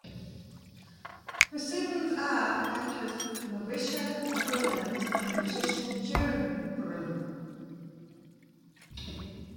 Her siblings are actress Marisha Ferland and musician Jeremy Ferland.